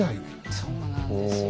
そうなんですよ。